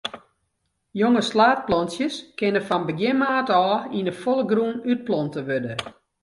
Jonge slaadplantsjes kinne fan begjin maart ôf yn 'e folle grûn útplante wurde.